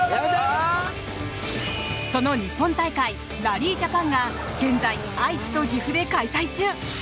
その日本大会ラリー・ジャパンが現在、愛知と岐阜で開催中。